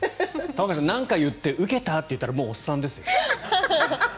玉川さんなんか言って受けた？って言ったらおっさんですよ。